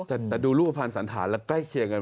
แต่ดูรูปภัณฑ์สันธารแล้วใกล้เคียงกัน